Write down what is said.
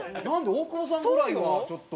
大久保さんぐらいはちょっと。